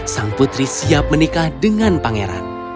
sang putri siap menikah dengan pangeran